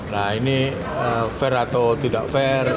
nah ini fair atau tidak fair